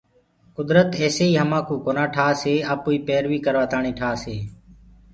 ڪدرت ايسي همآنٚ ڪوُ ڪونآ ٺآسيِ آپوئيٚ پيرويٚ ڪروآ تآڻيٚ ٺآسي